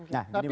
nah gini bang